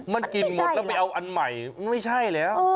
มันกินหมดแล้วไปเอาอันใหม่ไม่ใช่แล้ว